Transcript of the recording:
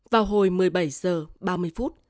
vào hồi một mươi bảy h ba mươi phút